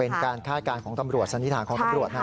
เป็นการคาดการณ์ของตำรวจสันนิษฐานของตำรวจ